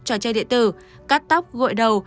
trò chơi địa tử cắt tóc gội đầu